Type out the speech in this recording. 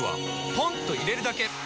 ポンと入れるだけ！